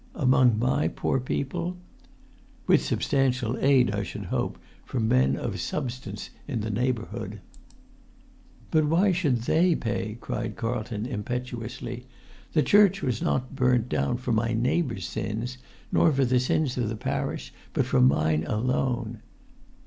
"Among my poor people?" "With substantial aid, I should hope, from men of substance in the neighbourhood." "But why should they pay?" cried Carlton, impetuously. "The church was not burnt down for my neighbours' sins, nor for the sins of the parish, but for mine alone